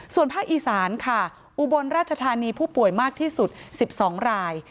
ส่วนภาคอีสานค่ะอุบลราชธานีผู้ป่วยมากที่สุด๑๒ราย